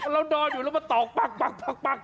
เรานอนอยู่แล้วมาตอกปั๊ก